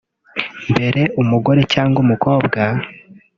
Mbere umugore cyangwa umukobwa